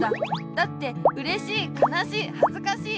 だって「うれしい」「かなしい」「はずかしい」